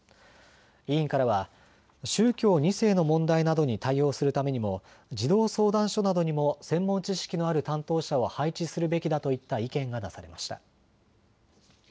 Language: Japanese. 委員からは宗教２世の問題などに対応するためにも児童相談所などにも専門知識のある担当者を配置するべきだといった意見が出されました。